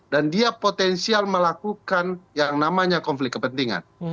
dan dia potensial melakukan yang namanya konflik kepentingan